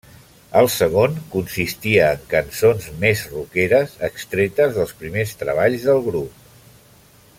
El segon consistia en cançons més roqueres extretes dels primers treballs del grup.